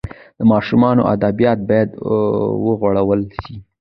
د ماشومانو ادبیات باید وغوړول سي.